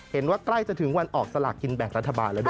เห็นว่าใกล้จะถึงวันออกศาลักษณ์กินแบ่งรัฐบาลแล้วด้วย